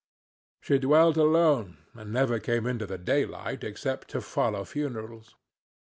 She dwelt alone, and never came into the daylight except to follow funerals.